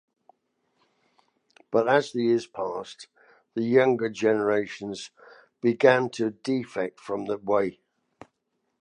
But as the years passed, the younger generations began to defect from the Way.